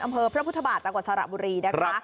อำเภอพระพุทธบาทจังหวัดสระบุรีนะคะ